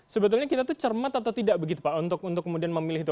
sebetulnya kita tuh cermat atau tidak begitu pak untuk kemudian memilih itu